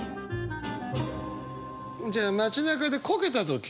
じゃあ街なかでこけた時。